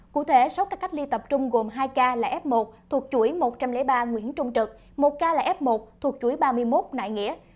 cụ thể sáu ca cách ly tập trung gồm hai ca là f một thuộc chuỗi một trăm linh ba nguyễn trung trực một ca là f một thuộc chuỗi ba mươi một đại nghĩa